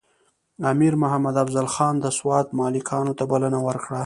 امیر محمد افضل خان د سوات ملکانو ته بلنه ورکړه.